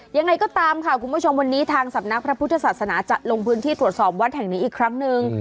ยังไงก็ตามค่ะคุณผู้ชมวันนี้ทางสำนักพระพุทธศาสนาจะลงพื้นที่ตรวจสอบวัดแห่งนี้อีกครั้งหนึ่ง